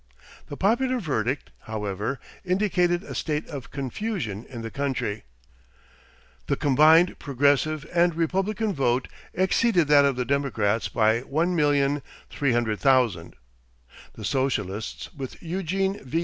The popular verdict, however, indicated a state of confusion in the country. The combined Progressive and Republican vote exceeded that of the Democrats by 1,300,000. The Socialists, with Eugene V.